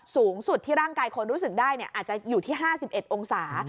สูงสุดที่ร่างกายคนรู้สึกได้อาจจะอยู่ที่๕๑องศา